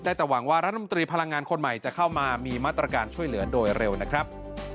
แต่หวังว่ารัฐมนตรีพลังงานคนใหม่จะเข้ามามีมาตรการช่วยเหลือโดยเร็วนะครับ